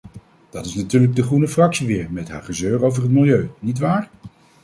Dat is natuurlijk de groene fractie weer met haar gezeur over het milieu, nietwaar?